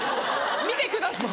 「見てください」。